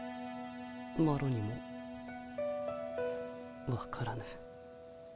マロにもわからぬ。